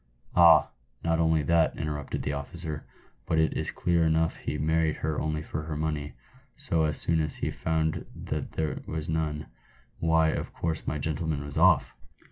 "Ah! not only that," interrupted the officer, "but it is clear enough he married her only for her money, so as soon as he found that there was none, why, of course my gentleman went off."